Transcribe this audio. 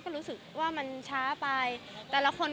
ก็บอกว่าเซอร์ไพรส์ไปค่ะ